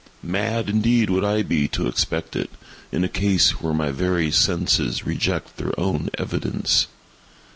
Mad indeed would I be to expect it, in a case where my very senses reject their own evidence.